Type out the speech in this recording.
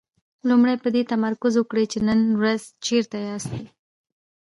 لومړی په دې تمرکز وکړئ چې نن ورځ چېرته ياستئ.